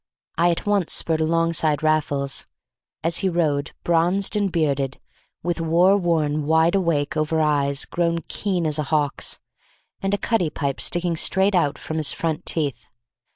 I at once spurred alongside Raffles, as he rode, bronzed and bearded, with warworn wideawake over eyes grown keen as a hawk's, and a cutty pipe sticking straight out from his front teeth.